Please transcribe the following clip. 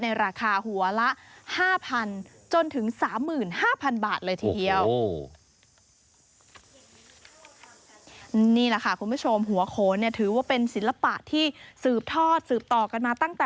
ราคาหัวละ๕๐๐๐จนถึง๓๕๐๐๐บาทเลยทีเดียว